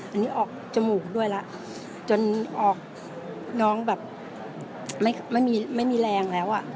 อันนี้ออกจมูกด้วยแล้วจนออกน้องแบบไม่มีแรงแล้วอ่ะ